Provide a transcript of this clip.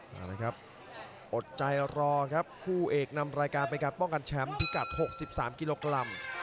มาเลยครับอดใจรอครับคู่เอกนำรายการเป็นการป้องกันแชมป์พิกัด๖๓กิโลกรัม